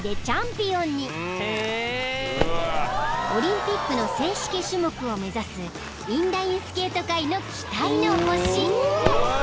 ［オリンピックの正式種目を目指すインラインスケート界の期待の星］